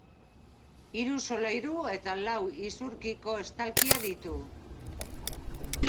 Hiru solairu eta lau isurkiko estalkia ditu.